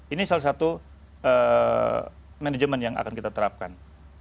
ini salah satu manajemen yang akan kita terapkan